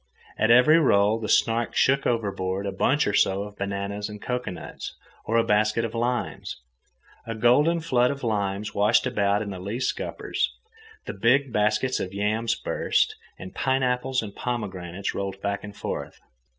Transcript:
At every roll the Snark shook overboard a bunch or so of bananas and cocoanuts, or a basket of limes. A golden flood of limes washed about in the lee scuppers. The big baskets of yams burst, and pineapples and pomegranates rolled back and forth.